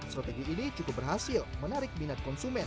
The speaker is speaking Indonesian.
strategi ini cukup berhasil menarik minat konsumen